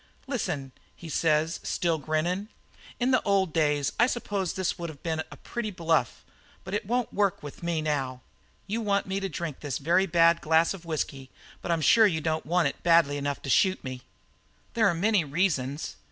"'Listen,' he says, still grinnin', 'in the old days I suppose this would have been a pretty bluff, but it won't work with me now. You want me to drink this glass of very bad whisky, but I'm sure that you don't want it badly enough to shoot me. "'There are many reasons.